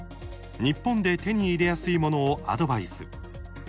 日本で手に入れやすいものをアドバイス。